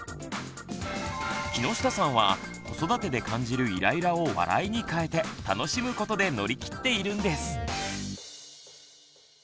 木下さんは子育てで感じるイライラを笑いに変えて楽しむことで乗り切っているんです。